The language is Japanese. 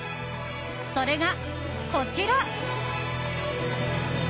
それが、こちら。